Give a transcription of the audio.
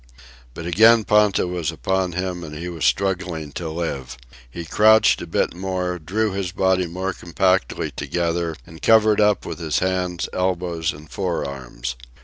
But again Ponta was upon him and he was struggling to live. He crouched a bit more, drew his body more compactly together, and covered up with his hands, elbows, and forearms.